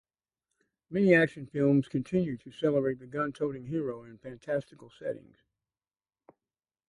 Many action films continue to celebrate the gun toting hero in fantastical settings.